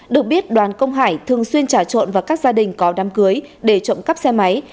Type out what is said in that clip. được biết đoàn công hải thường xuyên trả trộn vào các gia đình có đám cưới để trộm cắp xe máy